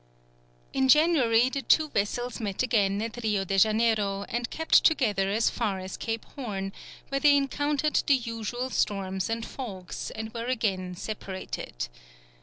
In January the two vessels met again at Rio de Janeiro, and kept together as far as Cape Horn, where they encountered the usual storms and fogs, and were again separated.